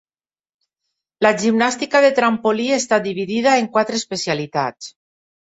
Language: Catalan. La gimnàstica de trampolí està dividida en quatre especialitats.